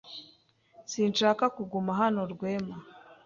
Sinshaka kuguma hano, Rwema.